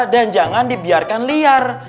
dan jangan dibiarkan liar